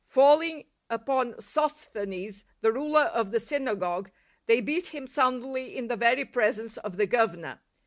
Falling upon Sosthenes, the ruler of the synagogue, they beat him soundly in the very presence of the Governor.